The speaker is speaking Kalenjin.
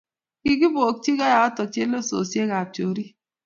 kikibokchi kaayoto chelasosie ab choriik